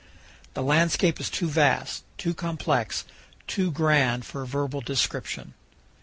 The landscape is too vast, too complex, too grand for verbal description.